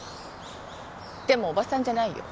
でもおばさんじゃないよ。